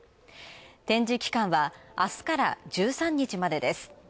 展示期間はあすから１３日までです。